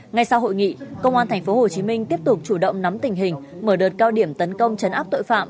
ngay sau hội nghị công an tp hcm tiếp tục chủ động nắm tình hình mở đợt cao điểm tấn công chấn áp tội phạm